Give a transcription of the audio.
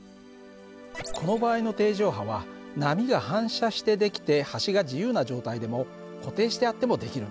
この場合の定常波は波が反射して出来て端が自由な状態でも固定してあっても出来るんだ。